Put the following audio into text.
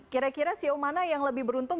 kira kira ceo mana yang lebih beruntung